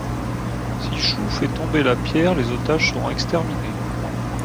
Si Shû fait tomber la pierre, les otages seront exterminés.